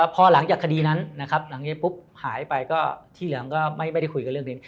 พอหลังจากคดีนั้นนะครับหายไปก็ที่เหลือก็ไม่ได้คุยกับเรื่องนี้